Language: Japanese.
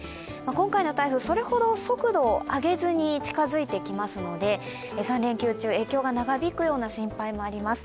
今回の台風、それほど速度を上げずに近付いてきますので３連休中、影響が長引くような心配もあります。